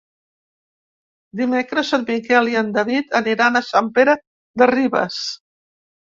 Dimecres en Miquel i en David aniran a Sant Pere de Ribes.